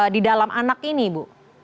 di dalam anak ini ibu